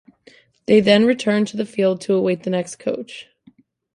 They then returned to the field to await the next coach.